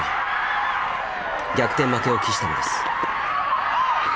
逆転負けを喫したのです。